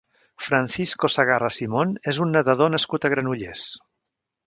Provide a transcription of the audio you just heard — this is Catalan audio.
Francisco Segarra Simon és un nedador nascut a Granollers.